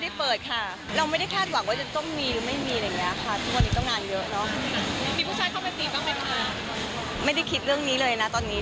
แอบเหงาบ้างไหมเอ่ย